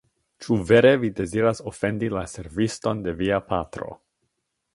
Ĉu vere vi deziras ofendi la serviston de via patro?